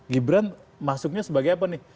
gibran masuknya sebagai apa nih